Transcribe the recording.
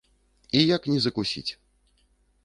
І як не закусіць?